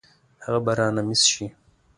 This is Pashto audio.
هغه به رانه مېس شي.